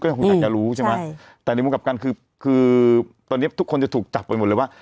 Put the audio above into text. ก็คงอยากจะรู้ใช่ไหมแต่ในมุมกลับกันคือคือตอนนี้ทุกคนจะถูกจับไปหมดเลยว่า